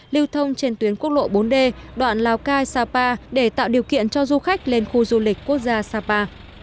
lưu thông trên tuyến quốc lộ bốn d đoạn lào cai sapa để tạo điều kiện cho du khách lên khu du lịch quốc gia sapa